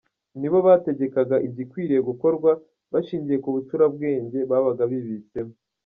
Ni bo bategekaga igikwiriye gukorwa, bashingiye ku bucurabwenge babaga bibitseho.